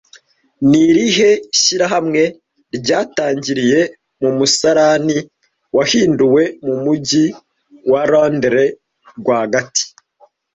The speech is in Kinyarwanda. Ni irihe shyirahamwe ryatangiriye mu musarani wahinduwe mu mujyi wa Londres rwagati